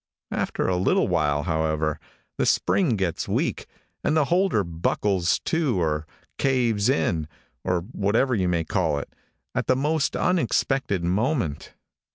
After a little while, however, the spring gets weak, and the holder buckles to, or caves in, or whatever you may call it, at the most unexpected moment.